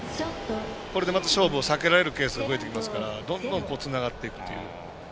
これで、また勝負を避けられるケース増えてきますからどんどんつながっていくという。